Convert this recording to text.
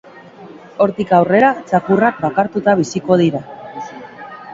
Hortik aurrera, txakurrak bakartuta biziko dira.